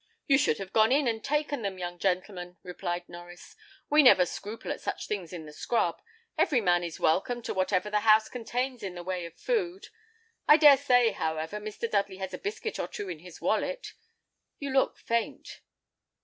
"You should have gone in and taken them, young gentleman," replied Norries; "we never scruple at such things in the scrub. Every man is welcome to whatever the house contains in the way of food. I dare say, however, Mr. Dudley has a biscuit or two in his wallet. You look faint."